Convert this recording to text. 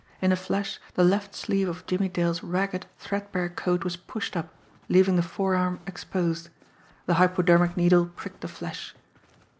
In a flash the left sleeve of Jimmie Dale's ragged, threadbare coat was pushed up, leaving the forearm exposed. The hypodermic needle pricked the flesh.